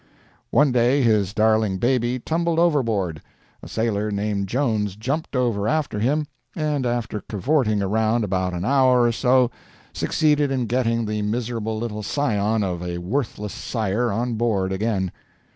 One day his darling baby tumbled overboard. A sailor named Jones jumped over after him and after cavorting around about an hour or so, succeeded in getting the miserable little scion of a worthless sire on board again.